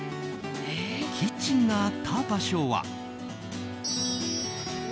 キッチンがあった場所は。